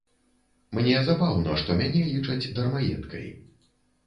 Мне забаўна, што мяне лічаць дармаедкай.